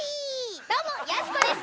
どうも、やす子です。